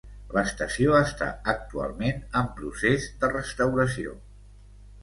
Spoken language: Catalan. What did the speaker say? L'estació està actualment en procés de restauració.